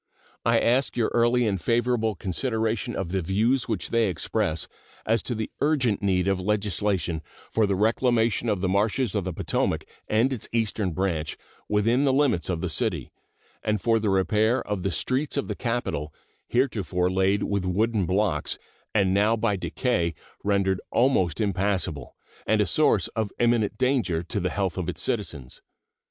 I ask your early and favorable consideration of the views which they express as to the urgent need of legislation for the reclamation of the marshes of the Potomac and its Eastern Branch within the limits of the city, and for the repair of the streets of the capital, heretofore laid with wooden blocks and now by decay rendered almost impassable and a source of imminent danger to the health of its citizens.